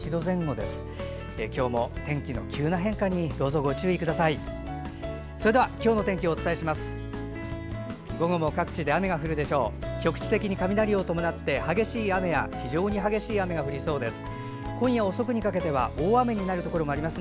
では今日の天気お伝えします。